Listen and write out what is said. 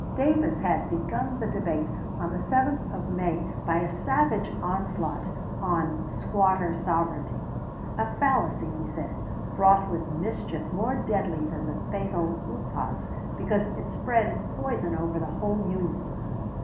Davis had begun the debate on the 7th of May by a savage onslaught on "Squatter Sovereignty" a fallacy, he said, fraught with mischief more deadly than the fatal upas, because it spread its poison over the whole Union.